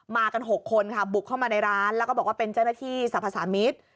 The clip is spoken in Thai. กัน๖คนค่ะบุกเข้ามาในร้านแล้วก็บอกว่าเป็นเจ้าหน้าที่สรรพสามิตร